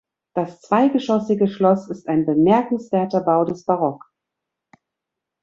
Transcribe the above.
Das zweigeschossige Schloss ist ein bemerkenswerter Bau des Barock.